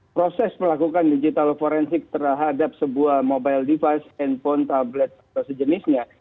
proses melakukan digital forensik terhadap sebuah mobile device handphone tablet atau sejenisnya